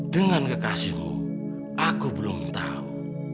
dengan kekasihmu aku belum tahu